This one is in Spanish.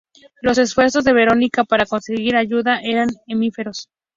Los esfuerzos de Verónica por conseguir ayuda eran efímeros.